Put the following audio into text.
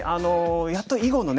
やっと囲碁のね